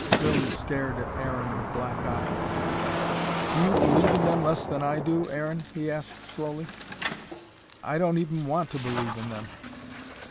Lilly stared at Aaron with black eyes. "Do you believe in them less than I do, Aaron?" he asked slowly. "I don't even want to believe in them."